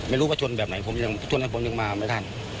ไม่รู้ว่าชนแบบไหนผมยังชนนั้นผมยังมาไม่ทัน